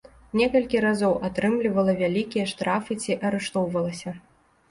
Некалькі разоў атрымлівала вялікія штрафы ці арыштоўвалася.